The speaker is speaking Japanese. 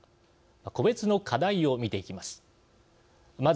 個別の課題を見ていきます。